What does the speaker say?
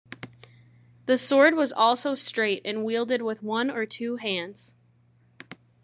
The sword was also straight and wielded with one or two hands.